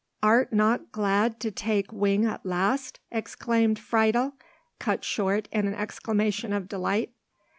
art not glad to take wing at last?" exclaimed Friedel, cut short in an exclamation of delight.